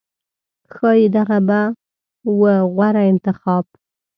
ښایي دغه به و غوره انتخاب